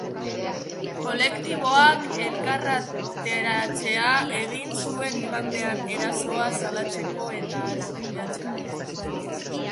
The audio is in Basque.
Kolektiboak elkarretaratzea egin zuen igandean, erasoa salatzeko eta arbuiatzeko.